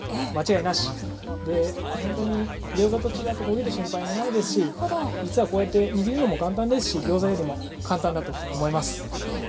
でほんとにギョーザと違って焦げる心配もないですし実はこうやって握るのも簡単ですしギョーザよりも簡単だと思います。ね。